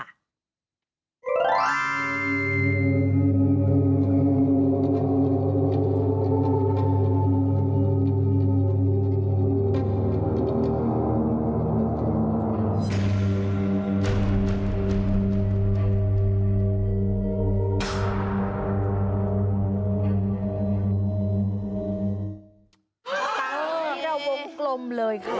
นี่เราวงกลมเลยค่ะ